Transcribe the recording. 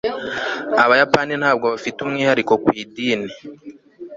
abayapani ntabwo bafite umwihariko ku idini